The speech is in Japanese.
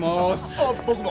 ああ僕も！